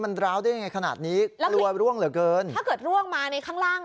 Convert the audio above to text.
มันร้าวได้ยังไงขนาดนี้กลัวร่วงเหลือเกินถ้าเกิดร่วงมาในข้างล่าง